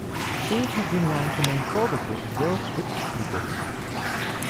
Shi has been ranked among Forbes' World's Richest People.